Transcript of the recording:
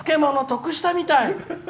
得したみたい！」。